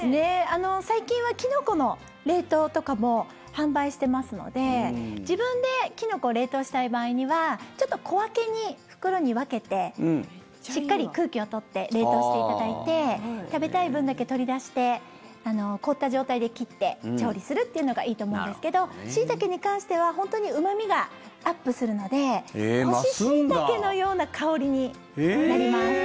最近はキノコの冷凍とかも販売してますので自分でキノコを冷凍したい場合にはちょっと小分けに袋に分けてしっかり空気を取って冷凍していただいて食べたい分だけ取り出して凍った状態で切って調理するっていうのがいいと思うんですけどシイタケに関しては本当にうま味がアップするので干しシイタケのような香りになります。